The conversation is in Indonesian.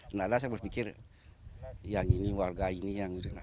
tidak ada saya berpikir yang ini warga ini yang ini